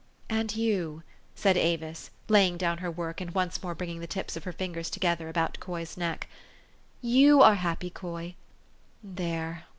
4 'And you," said Avis, laying down her work, and once more bringing the tips of her fingers together about Coy's neck, " you are happy, Coy? There.